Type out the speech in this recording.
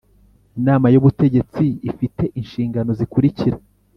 Inama y Ubutegetsi ifite inshingano zikurikira